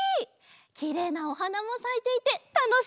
きれいなおはなもさいていてたのしいおさんぽだね！